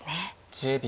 １０秒。